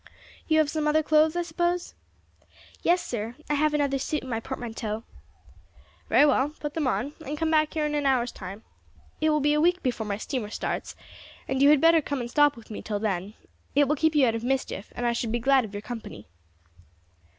"You have some other clothes, I suppose?" "Yes, sir; I have another suit in my portmanteau." "Very well, put them on, and come back here in an hour's time. It will be a week before my steamer starts, and you had better come and stop with me till then; it will keep you out of mischief, and I should be glad of your company."